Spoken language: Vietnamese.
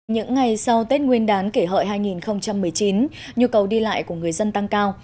những ngày sau tết nguyên đán kể hợi hai nghìn một mươi chín nhu cầu đi lại của người dân tăng cao